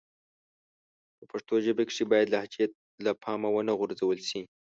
په پښتو ژبه کښي بايد لهجې له پامه و نه غورځول سي.